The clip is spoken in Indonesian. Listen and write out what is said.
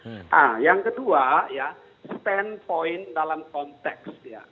nah yang kedua ya standpoint dalam konteks